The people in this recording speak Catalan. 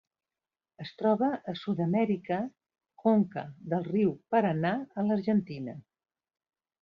Es troba a Sud-amèrica: conca del riu Paranà a l'Argentina.